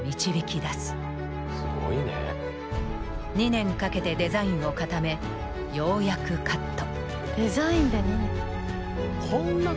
２年かけてデザインを固めようやくカット。